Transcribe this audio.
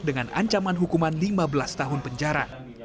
dengan ancaman hukuman lima belas tahun penjara